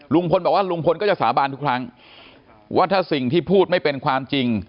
ลุงพลบอกว่าลุงพลก็จะสาบานทุกครั้งว่าถ้าสิ่งที่พูดไม่เป็นความจริง